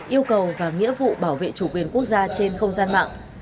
yêu cầu và nghĩa vụ bảo vệ chủ quyền quốc gia trên không gian mạng